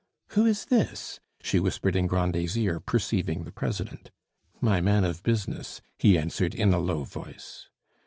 "Who is this?" she whispered in Grandet's ear, perceiving the president. "My man of business," he answered in a low voice.